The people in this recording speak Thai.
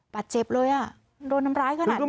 ปัจจ์เจ็บเลยโดนทำร้ายขนาดนี้